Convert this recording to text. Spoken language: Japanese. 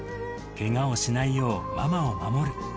けがをしないようママを守る。